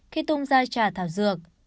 khi tung ra trà thảo dược